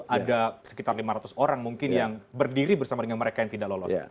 ada sekitar lima ratus orang mungkin yang berdiri bersama dengan mereka yang tidak lolos